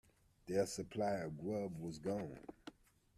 Their supply of grub was gone.